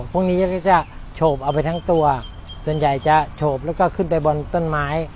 พวกนี้ก็จะโฉบเอาไปทั้งตัวส่วนใหญ่จะโฉบแล้วก็ขึ้นไปบนต้นไม้